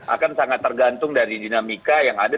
akan sangat tergantung dari dinamika yang ada